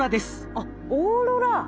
あっオーロラ！